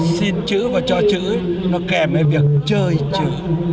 xin chữ và cho chữ nó kèm với việc chơi chữ